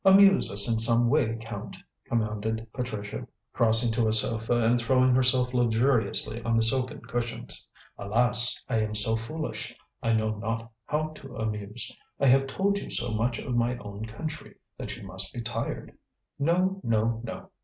"Amuse us in some way, Count," commanded Patricia, crossing to a sofa, and throwing herself luxuriously on the silken cushions. "Alas! I am so foolish, I know not how to amuse. I have told you so much of my own country that you must be tired." "No! No! No!"